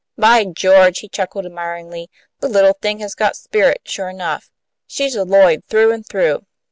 "By George!" he chuckled, admiringly. "The little thing has got spirit, sure enough. She's a Lloyd through and through.